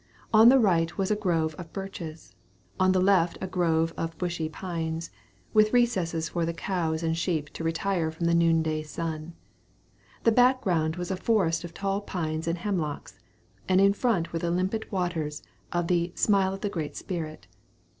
On the right was a grove of birches; on the left a grove of bushy pines, with recesses for the cows and sheep to retire from the noon day sun. The background was a forest of tall pines and hemlocks, and in front were the limpid waters of the "Smile of the Great Spirit."